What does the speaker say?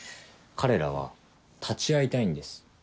彼らは立ち会いたいんです。